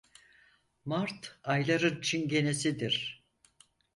Mart ayların çingenesidir.